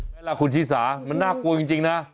เวลาคุณชิสามันน่ากลัวจริงนะ